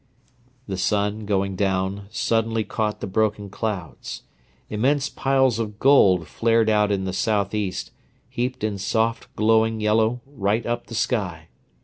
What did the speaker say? The sun, going down, suddenly caught the broken clouds. Immense piles of gold flared out in the south east, heaped in soft, glowing yellow right up the sky.